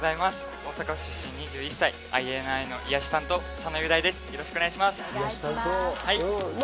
大阪府出身、２１歳、ＩＮＩの癒やし担当、佐野雄大です。